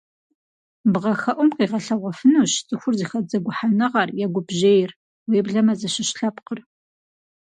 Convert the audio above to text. Бгъэхэӏум къигъэлъэгъуэфынущ цӏыхур зыхэт зэгухьэныгъэр е гупжьейр, уеблэмэ зыщыщ лъэпкъыр.